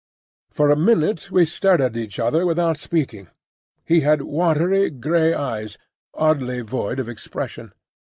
For a minute we stared at each other without speaking. He had watery grey eyes, oddly void of expression.